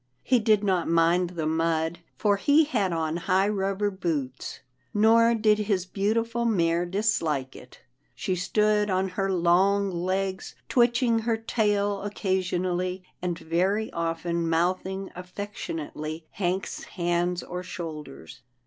He did not mind the mud, for he had on high rubber boots, nor did his beautiful mare dislike it. She stood on her long legs, twitching her tail occasionally, and very often mouthing affectionately Hank's hands or shoulders.